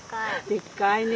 でっかいね。